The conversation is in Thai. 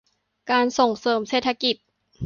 การส่งเสริมเศรษฐกิจ